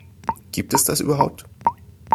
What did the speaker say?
Gibt es das überhaupt?